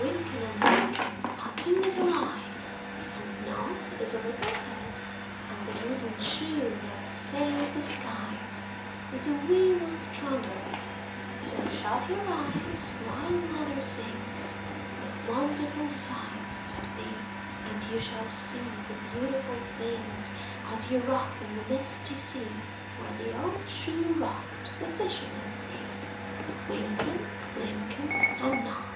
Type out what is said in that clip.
Wynken and Blynken are two little eyes, And Nod is a little head, And the wooden shoe that sailed the skies Is a wee one's trundle bed; So shut your eyes while Mother sings Of wonderful sights that be, And you shall see the beautiful things As you rock on the misty sea Where the old shoe rocked the fishermen three, Wynken, Blynken, And Nod.